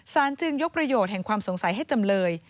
จึงยกประโยชน์แห่งความสงสัยให้จำเลย